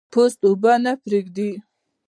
پوست اوبه نه پرېږدي.